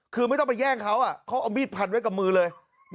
คือไม่ต้องไปแย่งเขาเขาเอามีดพันไว้กับมือเลย